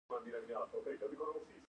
دښتې د افغانستان طبعي ثروت دی.